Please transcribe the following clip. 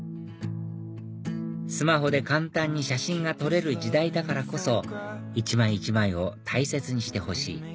「スマホで簡単に写真が撮れる時代だからこそ一枚一枚を大切にしてほしい」